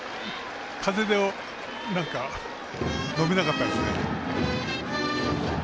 風で伸びなかったですね。